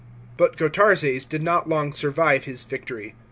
§ 4. But Gotarzes did not long survive his victory.